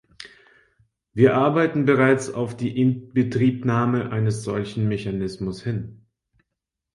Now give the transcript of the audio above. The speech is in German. Wir arbeiten bereits auf die Inbetriebnahme eines solchen Mechanismus hin.